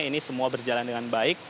ini semua berjalan dengan baik